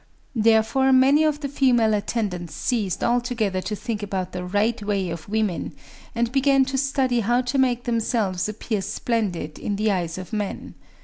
Therefore many of the female attendants ceased altogether to think about the right way of women, and began to study how to make themselves appear splendid in the eyes of men.